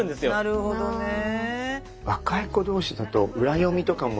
なるほどねえ。